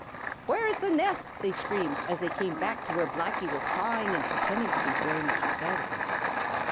"Where is the nest?" they screamed, as they came back to where Blacky was cawing and pretending to be very much excited.